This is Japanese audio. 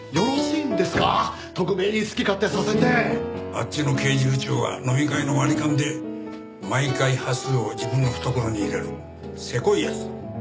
あっちの刑事部長は飲み会の割り勘で毎回端数を自分の懐に入れるせこい奴だ。